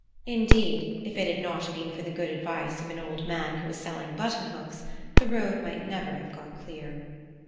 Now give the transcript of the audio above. Indeed, if it had not been for the good advice of an old man who was selling button hooks, the road might never have got clear.